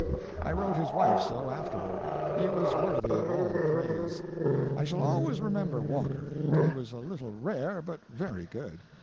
I wrote his wife so afterward. He was worthy of all praise. I shall always remember Walker. He was a little rare, but very good.